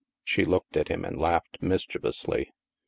" She looked at him and laughed mischievously.